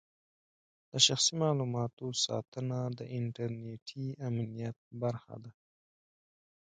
د شخصي معلوماتو ساتنه د انټرنېټي امنیت برخه ده.